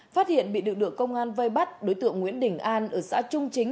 phát hiện bị được được công an vây bắt đối tượng nguyễn đình an ở xã trung chính